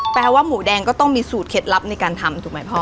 แปลว่าหมูแดงก็ต้องมีสูตรเคล็ดลับในการทำถูกไหมพ่อ